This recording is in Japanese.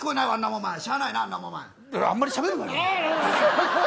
あんまりしゃべるなよ。